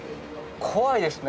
怖いですね。